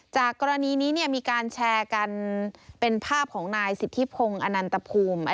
จากกรณีนี้มีการแชร์กันเป็นภาพของนายสิทธิพงศ์อนันตภูมิ